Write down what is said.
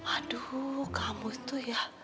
aduh kamu tuh ya